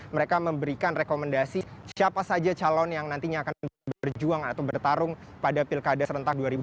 mereka memberikan rekomendasi siapa saja calon yang nantinya akan berjuang atau bertarung pada pilkada serentak dua ribu dua puluh